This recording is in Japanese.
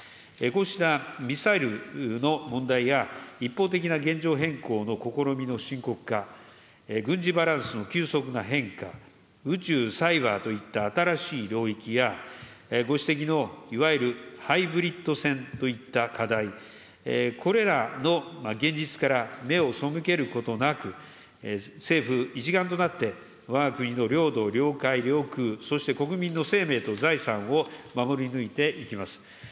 こうしたミサイルの問題や、一方的な現状変更の試みの深刻化、軍事バランスの急速な変化、宇宙・サイバーといった新しい領域や、ご指摘のいわゆるハイブリット戦といった課題、これらの現実から目を背けることなく、政府一丸となって、わが国の領土・領海・領空、そして国民の生命と財産を守り抜いていきます。